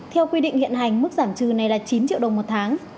theo quy định hiện hành mức giảm trừ này là chín triệu đồng một tháng